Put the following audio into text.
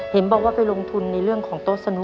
เห็นบอกว่าไปลงทุนในเรื่องของโต๊ะสนุก